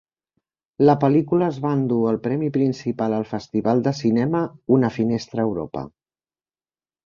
La pel·lícula es va endur el premi principal al festival de cinema "Una finestra a Europa".